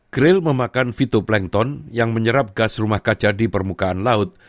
graille memakan fitoplankton yang menyerap gas rumah kaca di permukaan laut